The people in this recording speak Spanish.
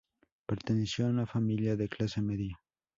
Perteneció a una familia de clase media.